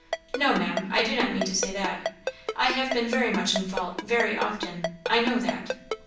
"No, Maam, I do not mean to say that. I have been very much in fault, very often I know that.